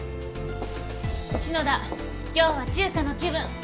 篠田今日は中華の気分。